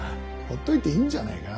ほっといていいんじゃねえか。